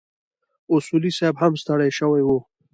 اصولي صیب هم ستړی شوی و.